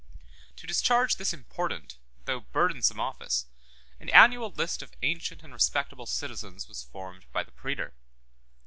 202 To discharge this important, though burdensome office, an annual list of ancient and respectable citizens was formed by the praetor.